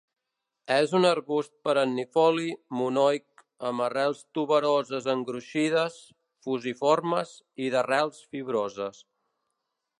És un arbust perennifoli, monoic, amb arrels tuberoses engruixides, fusiformes i d'arrels fibroses.